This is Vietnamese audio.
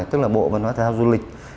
tức là bộ văn hóa thế giáo du lịch